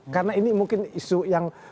karena ini mungkin isu yang